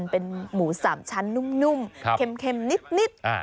เป็นหมู๓ชั้นนุ่มเค็มนิด